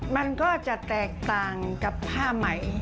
มันก็จะแตกต่างกับผ้าใหม่